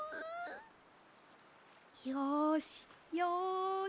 よしよし。